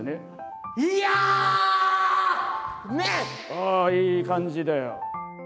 ああいい感じだよ。